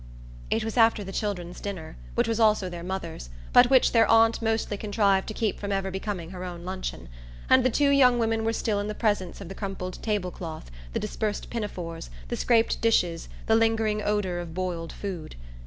It was after the children's dinner, which was also their mother's, but which their aunt mostly contrived to keep from ever becoming her own luncheon; and the two young women were still in the presence of the crumpled table cloth, the dispersed pinafores, the scraped dishes, the lingering odour of boiled food.